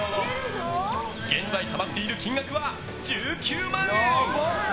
現在たまっている金額は１９万円。